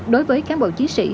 đối với cán bộ chiến sĩ